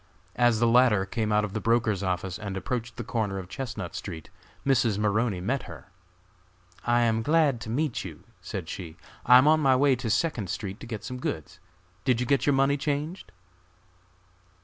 As the latter came out of the brokers' office and approached the corner of Chestnut street, Mrs. Maroney met her. "I am glad to meet you," said she; "I am on my way to Second street to get some goods. Did you get your money changed?"